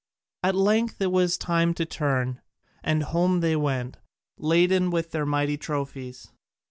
At length it was time to turn, and home they went, laden with their mighty trophies.